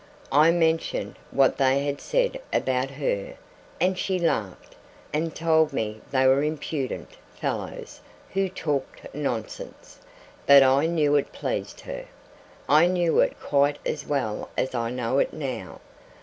I mentioned what they had said about her, and she laughed, and told me they were impudent fellows who talked nonsense but I knew it pleased her. I knew it quite as well as I know it now.